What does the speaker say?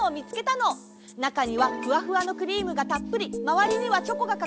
なかにはふわふわのクリームがたっぷりまわりにはチョコがかかって。